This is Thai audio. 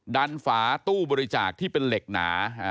ฝาตู้บริจาคที่เป็นเหล็กหนา